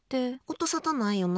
音沙汰ないよな。